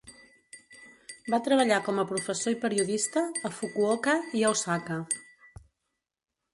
Va treballar com a professor i periodista a Fukuoka i a Osaka.